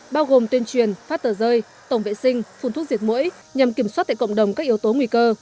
bao gồm tuyên truyền phát tờ rơi tổng vệ sinh phun thuốc diệt mũi nhằm kiểm soát tại cộng đồng các yếu tố nguy cơ